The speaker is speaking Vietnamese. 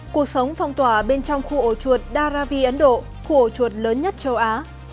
cuộc sống phong tỏa bên trong khu ổ chuột daravi ấn độ khu ổ chuột lớn nhất châu á